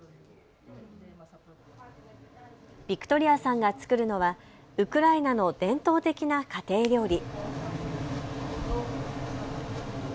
ビクトリアさんが作るのはウクライナの伝統的な家庭料理。